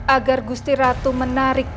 agar gusti ratu menarik